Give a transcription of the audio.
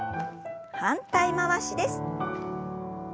反対回しです。